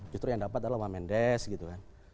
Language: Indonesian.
justru yang dapat adalah wamen desk gitu kan